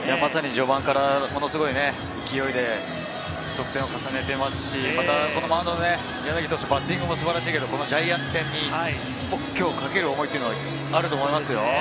序盤からものすごい勢いで得点を重ねていますし、マウンドの柳投手のバッティングも素晴らしい、ジャイアンツ戦にかける思いっていうのはあると思いますよ。